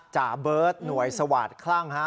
จ่าเบิร์ตหน่วยสวาสตคลั่งฮะ